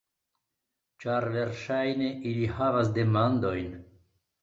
Ĉar versaĵne ili havas demandojn